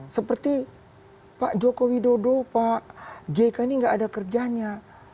seperti pak joko widodo pak jk ini nggak ada kerjanya